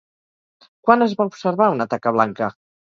Quan es va observar una taca blanca?